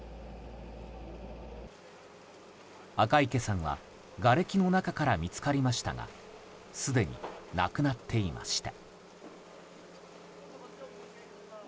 赤池さんはがれきの中から見つかりましたがすでに亡くなっていました。